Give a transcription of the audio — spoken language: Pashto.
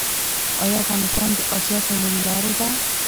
آیا افغانستان د اسیا څلور لارې ده؟